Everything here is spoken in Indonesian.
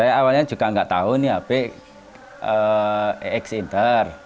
saya awalnya juga nggak tahu ini hp x inter